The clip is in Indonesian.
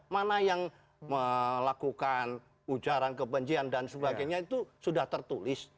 mana yang melakukan ujaran kebencian dan sebagainya itu sudah tertulis